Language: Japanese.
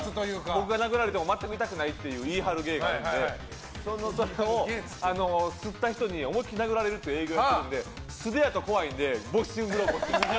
僕が殴られても全く痛くないって言い張るゲームなんですけどそれを、すった人に思い切り殴られるっていう営業をやってるので素手だと怖いのでボクシンググローブ。